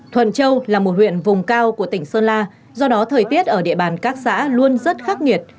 thuần châu là một huyện vùng cao của tỉnh sơn la do đó thời tiết ở địa bàn các xã luôn rất khắc nghiệt